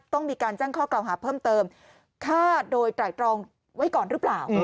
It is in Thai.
ต้องมีการแจ้งข้อกล่าวหาเพิ่มเติมฆ่าโดยไตรตรองไว้ก่อนหรือเปล่า